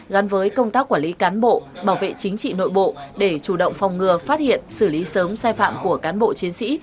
gắn với công tác quản lý cán bộ bảo vệ chính trị nội bộ để chủ động phòng ngừa phát hiện xử lý sớm sai phạm của cán bộ chiến sĩ